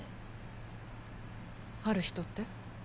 ある人って？